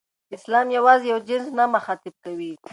اسلام یوازې یو جنس نه مخاطب کوي.